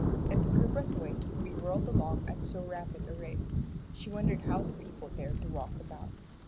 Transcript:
It took her breath away to be whirled along at so rapid a rate. She wondered how the people dared to walk about.